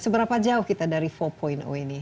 seberapa jauh kita dari empat ini